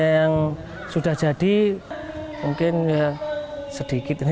yang sudah jadi mungkin sedikit ini